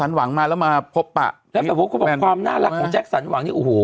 และพบมาความน่ารักของแจ๊คสันวังเนี่ยโอ้โห